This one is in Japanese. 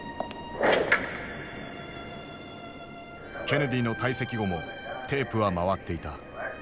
ケネディの退席後もテープは回っていた。